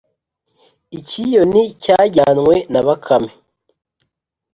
Icyiyoni cyaryarywe na bakame